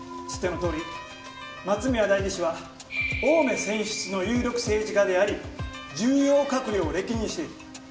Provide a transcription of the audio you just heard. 知ってのとおり松宮代議士は青梅選出の有力政治家であり重要閣僚を歴任している。